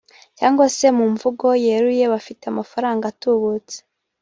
cyangwa se mu mvugo yeruye ‘bafite amafaranga atubutse’